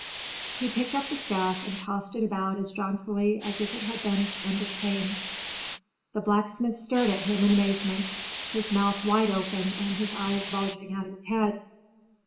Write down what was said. He picked up the staff and tossed it about as jauntily as if it had been a slender cane. The blacksmith stared at him in amazement, his mouth wide open and his eyes bulging out of his head.